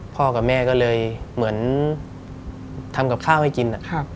พ่อกับแม่ก็เลยเหมือนทำกับข้าวให้กิน